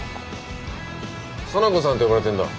沙名子さんって呼ばれてんだ。